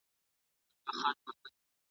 ایا ته غواړې چي ستا نېک شکر نورو ته برکت ورسوي؟